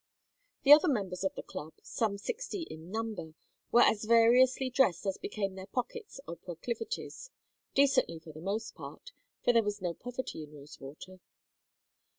The other members of the Club, some sixty in number, were as variously dressed as became their pockets or proclivities, decently for the most part, for there was no poverty in Rosewater.